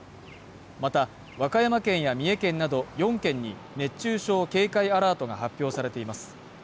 また和歌山県や三重県など４県に熱中症警戒アラートが発表されています。